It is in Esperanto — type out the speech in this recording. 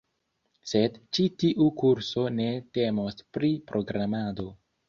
sed ĉi tiu kurso ne temos pri programado